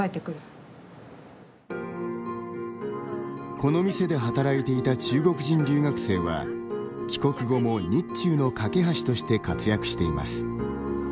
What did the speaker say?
この店で働いていた中国人留学生は帰国後も日中の懸け橋として活躍しています。